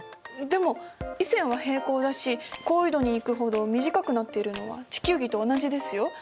でも緯線は平行だし高緯度に行くほど短くなっているのは地球儀と同じですよ。